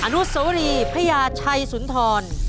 อนุสวรีพญาชัยสุนทร